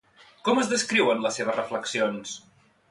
Com es descriuen les seves reflexions?